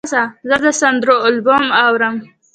زه د سندرو البوم اورم.